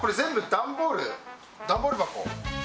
段ボール箱？